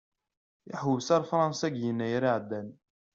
Ihewwes ar Fransa deg Yennayer iɛeddan.